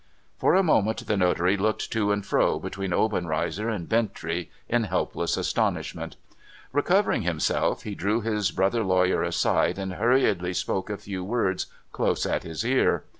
For a moment the notary looked to and fro, between Obenreizer and Bintrey, in helpless astonishment. Recovering himself, he drew his brother lawyer aside, and hurriedly spoke a few words close at his ear.